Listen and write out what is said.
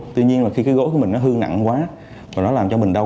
tuy nhiên khi cái gối của mình hư nặng quá và nó làm cho mình đau